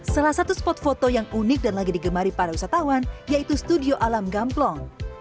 salah satu spot foto yang unik dan lagi digemari para wisatawan yaitu studio alam gamplong